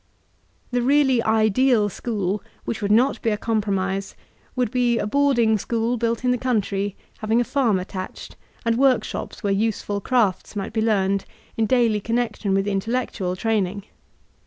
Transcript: The really Ideal School, which would not be a com promise, would be a boarding school built in the country, having a farm attached, and workshops where useful crafts might be learned, in daily connection with intellec tual training.